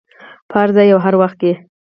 په هر ځای او هر وخت کې.